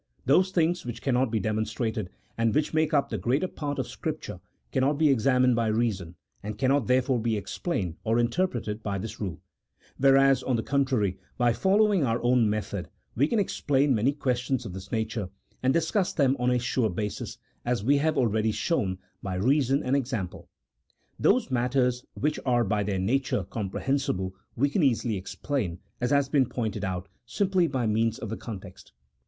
Those things which cannot be demonstrated, and which make up the greater part of Scripture, cannot be examined by reason, and cannot there fore be explained or interpreted by this rule ; whereas, on the contrary, by following our own method, we can explain many questions of this nature, and discuss them on a sure basis, as we have already shown, by reason and example. Those matters which are by their nature comprehensible we can easily explain, as has been pointed out, simply by means of the context.